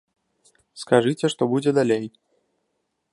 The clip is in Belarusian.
Скажыце, што будзе далей!